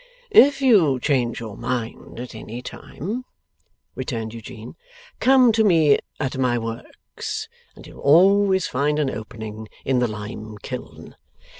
'If you change your mind at any time,' returned Eugene, 'come to me at my works, and you'll always find an opening in the lime kiln.